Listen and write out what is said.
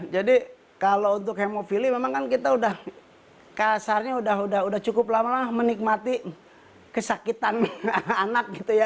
jadi kalau untuk hemofilia memang kan kita udah kasarnya udah cukup lama menikmati kesakitan anak gitu ya